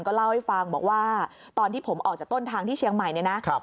ก็เล่าให้ฟังบอกว่าตอนที่ผมออกจากต้นทางที่เชียงใหม่เนี่ยนะ